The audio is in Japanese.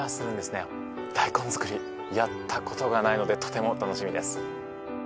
ダイコン作りやったことがないのでとても楽しみです。